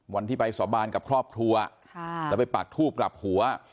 วันที่ไปสาบานกับครอบครัวแล้วไปปากทูบกลับหัว